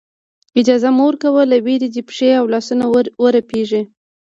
اجازه مه ورکوه له وېرې دې پښې او لاسونه ورپېږي.